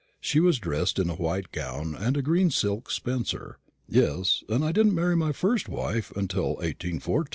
She was dressed in a white gown and a green silk spencer. Yes and I didn't marry my first wife till 1814.